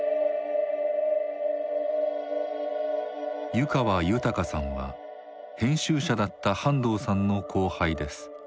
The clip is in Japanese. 湯川豊さんは編集者だった半藤さんの後輩です。